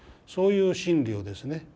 そういう心理をですね